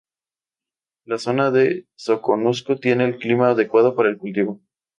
La zona del Soconusco tiene el clima adecuado para el cultivo.